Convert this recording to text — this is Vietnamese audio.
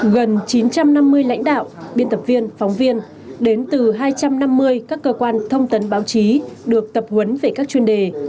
gần chín trăm năm mươi lãnh đạo biên tập viên phóng viên đến từ hai trăm năm mươi các cơ quan thông tấn báo chí được tập huấn về các chuyên đề